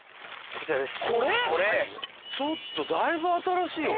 ちょっとだいぶ新しいよ